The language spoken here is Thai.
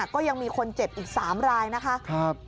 ก็ยังมีคนเจ็บอีก๓รายนะคะ